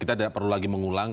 kita tidak perlu lagi mengulang